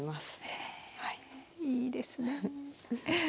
へえいいですね。